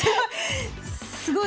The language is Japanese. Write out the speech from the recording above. すごい！